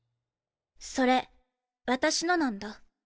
それ私のなんだ。